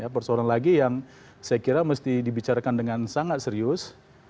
persoalan lagi yang saya kira mesti dibicarakan dengan sangat serius